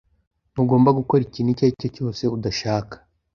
Ntugomba gukora ikintu icyo ari cyo cyose udashaka.